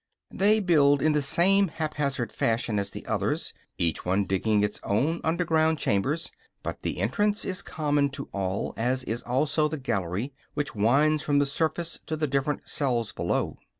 They build in the same haphazard fashion as the others, each one digging its own underground chambers, but the entrance is common to all, as is also the gallery which winds from the surface to the different cells below.